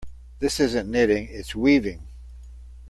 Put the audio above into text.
This isn't knitting, its weaving.